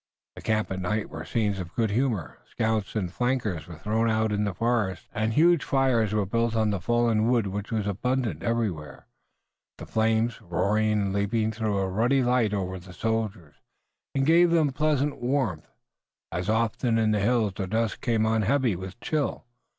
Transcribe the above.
The camps at night were scenes of good humor. Scouts and flankers were thrown out in the forest, and huge fires were built of the fallen wood which was abundant everywhere. The flames, roaring and leaping, threw a ruddy light over the soldiers, and gave them pleasant warmth, as often in the hills the dusk came on heavy with chill.